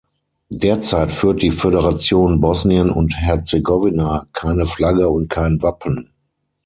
Derzeit führt die Föderation Bosnien und Herzegowina keine Flagge und kein Wappen.